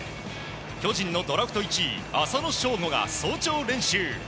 巨人のドラフト１位、浅野省吾が早朝練習。